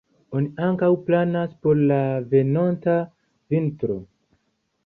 Oni ankaŭ planas por la venonta vintro.